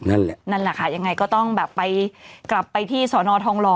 นั่นแหละค่ะอย่างไรก็ต้องแบบไปกลับไปที่สนทองหล่อ